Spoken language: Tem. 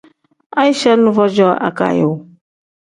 Aicha nuvo cooo agaayo.